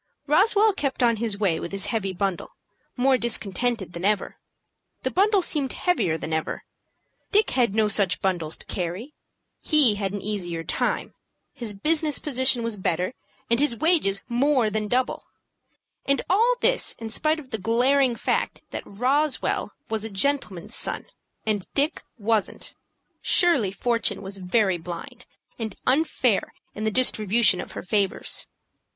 Roswell kept on his way with his heavy bundle, more discontented than ever. The bundle seemed heavier than ever. Dick had no such bundles to carry. He had an easier time, his business position was better, and his wages more than double. And all this in spite of the glaring fact that Roswell was a gentleman's son, and Dick wasn't. Surely fortune was very blind, and unfair in the distribution of her favors.